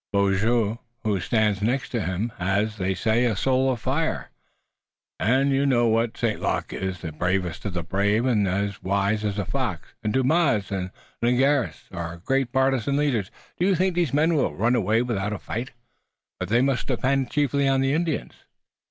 Beaujeu, who stands next to him, has, they say, a soul of fire. You know what St. Luc is, the bravest of the brave, and as wise as a fox, and Dumas and Ligneris are great partisan leaders. Do you think these men will run away without a fight?" "But they must depend chiefly on the Indians!"